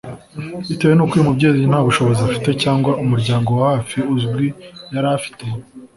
Bitewe n’uko uyu mubyeyi nta bushobozi cyangwa umuryango wa hafi uzwi yari afite